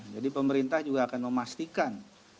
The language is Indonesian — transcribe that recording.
jadi pemerintah juga akan memastikan